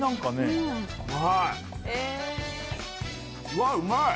うわうまい。